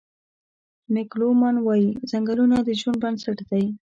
مېګ لومان وايي: "ځنګلونه د ژوند بنسټ دی.